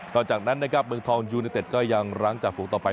หลังจากนั้นนะครับเมืองทองยูเนเต็ดก็ยังรั้งจ่าฝูงต่อไป